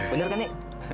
bener kan i